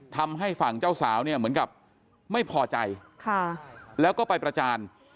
ทำให้ฝั่งเจ้าสาวเนี่ยเหมือนกับไม่พอใจแล้วก็ไปประจาน